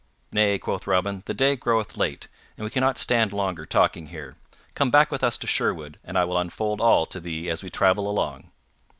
"Nay," quoth Robin, "the day groweth late, and we cannot stand longer talking here. Come back with us to Sherwood, and I will unfold all to thee as we travel along."